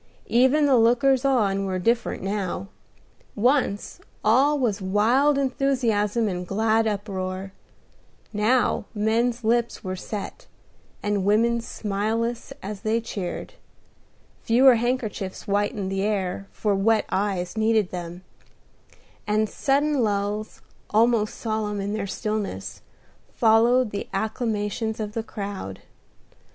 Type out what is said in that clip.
Even the lookers on were different now. Once all was wild enthusiasm and glad uproar; now men's lips were set, and women's smileless as they cheered; fewer handkerchiefs whitened the air, for wet eyes needed them; and sudden lulls, almost solemn in their stillness, followed the acclamations of the crowd.